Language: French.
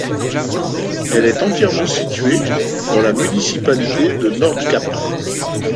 Elle est entièrement située dans la municipalité de Nordkapp.